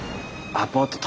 アパート